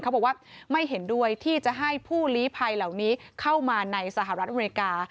เขาบอกว่าไม่เห็นด้วยที่จะให้ผู้ลีภัยเหล่านี้เข้ามาในสหรัฐอเมริกา